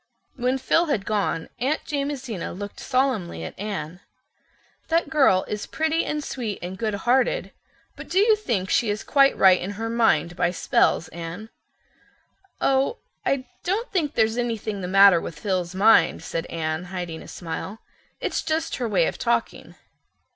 When Phil had gone Aunt Jamesina looked solemnly at Anne. "That girl is pretty and sweet and goodhearted, but do you think she is quite right in her mind, by spells, Anne?" "Oh, I don't think there's anything the matter with Phil's mind," said Anne, hiding a smile. "It's just her way of talking."